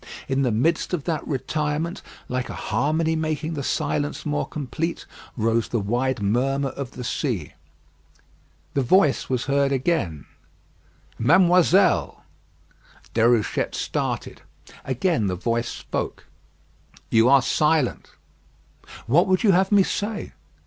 In the midst of that retirement, like a harmony making the silence more complete, rose the wide murmur of the sea. The voice was heard again. "Mademoiselle!" Déruchette started. Again the voice spoke. "You are silent." "What would you have me say?"